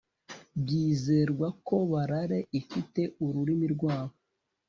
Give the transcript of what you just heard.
Byizerwa ko balale ifite ururimi rwabo